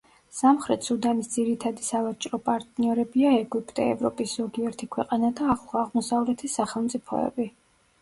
სამხრეთ სუდანის ძირითადი სავაჭრო პარტნიორებია ეგვიპტე, ევროპის ზოგიერთი ქვეყანა და ახლო აღმოსავლეთის სახელმწიფოები.